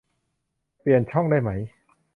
เปลี่ยนช่องได้ไหม